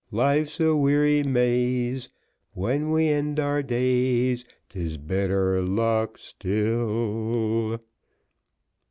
Life's a weary maze When we end our days, 'Tis better luck still.